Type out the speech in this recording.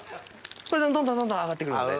これでどんどんどんどん上がってくるので。